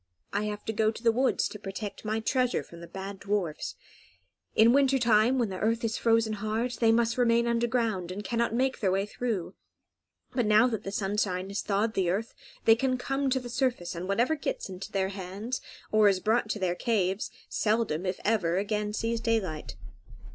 "I have to go to the woods to protect my treasure from the bad dwarfs. In winter time when the earth is frozen hard, they must remain underground, and cannot make their way through; but now that the sunshine has thawed the earth they can come to the surface, and whatever gets into their hands, or is brought to their caves, seldom, if ever, again sees daylight."